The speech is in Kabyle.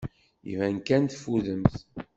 Iban kan teffudemt.